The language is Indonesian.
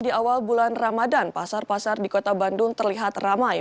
di awal bulan ramadan pasar pasar di kota bandung terlihat ramai